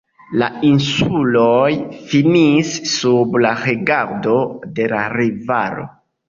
La insuloj finis sub la regado de la rivalo.